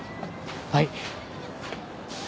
はい。